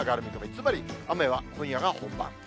つまり、雨は今夜が本番。